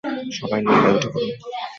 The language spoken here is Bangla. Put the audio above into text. সবাই নৌকায় উঠে পড়ুন!